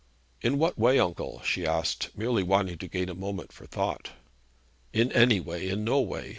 'In what way, uncle?' she asked, merely wanting to gain a moment for thought. 'In any way. In no way.